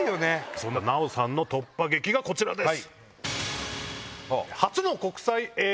そんな奈緒さんの突破劇がこちらです。